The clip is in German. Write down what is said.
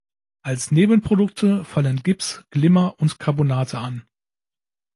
Als Nebenprodukte fallen Gips, Glimmer und Carbonate an.